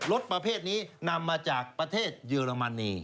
รถประเภทนี้นำมาจากประเทศเยอรมนี